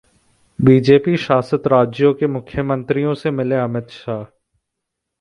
BJP शासित राज्यों के मुख्यमंत्रियों से मिले अमित शाह